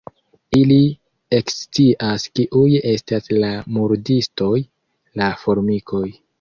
Ili ekscias kiuj estas la murdistoj: la formikoj.